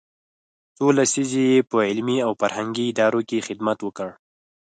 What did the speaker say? څو لسیزې یې په علمي او فرهنګي ادارو کې خدمت وکړ.